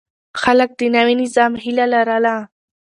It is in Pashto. خلک د نوي نظام هيله لرله.